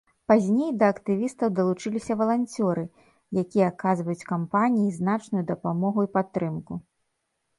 Пазней, да актывістаў далучыліся валанцёры, якія аказваюць кампаніі значную дапамогу і падтрымку.